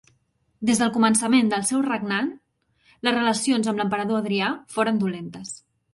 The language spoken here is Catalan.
Des del començament del seu regnant les relacions amb l'emperador Adrià foren dolentes.